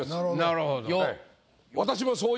なるほど。